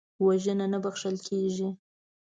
وژنه نه بخښل کېږي